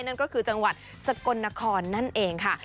นั่นก็คือจังหวัดสกลนครนั่นเองค่ะ